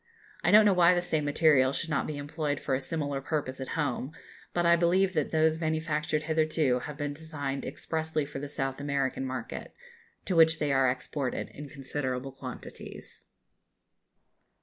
I don't know why the same material should not be employed for a similar purpose at home; but I believe that those manufactured hitherto have been designed expressly for the South American market, to which they are exported in considerable quantities.